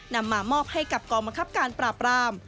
นำมามอบให้กับกรมคับการปราบ